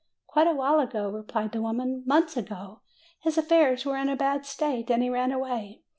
quite a while ago," replied the woman. "Months ago. His affairs were in a bad state, and he ran away.